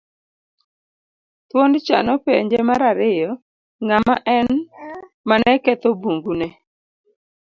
Thuondcha nopenje mar ariyo ng'ama en mane ketho bungu ne.